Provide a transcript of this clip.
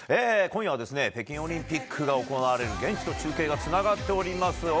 今夜は北京オリンピックが行われる現地と中継がつながっています。